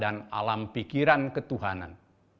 dan alam pikiran ketuhanan